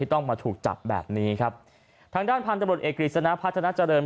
ที่ต้องมาถูกจับแบบนี้ครับทางด้านพันธุ์ตำรวจเอกริจนะภาษณะเจริญ